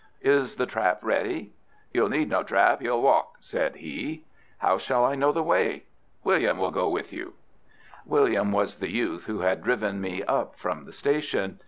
"Is the trap ready?" "You'll need no trap. You'll walk," said he. "How shall I know the way?" "William will go with you." William was the youth who had driven me up from the station.